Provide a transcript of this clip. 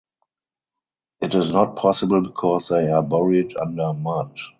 It is not possible because they are buried under mud.